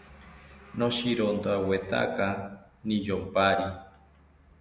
Noshirontawetaka niyompari